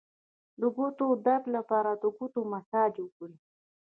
د ګوتو د درد لپاره د ګوتو مساج وکړئ